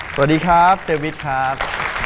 สวัสดีครับเจวิทครับ